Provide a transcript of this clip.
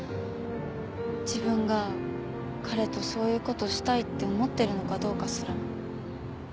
自分が彼とそういうことしたいって思ってるのかどうかすら。